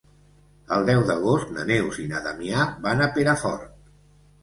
El deu d'agost na Neus i na Damià van a Perafort.